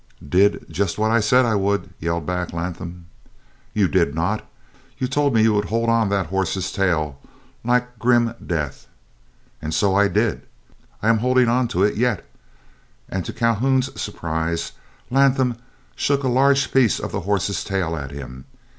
"Did just what I said I would!" yelled back Latham. "You did not. You told me you would hold on that horse's tail like grim death." "And so I did. I am holding on to it yet," and to Calhoun's surprise Latham shook a large piece of the horse's tail at him.